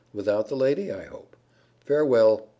Without the lady, I hope. Farewell.